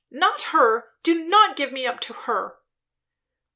not her! Do not give me up to her!"